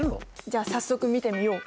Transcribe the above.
じゃあ早速見てみよう。